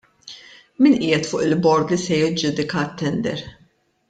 Min qiegħed fuq il-bord li se jiġġudika t-tender?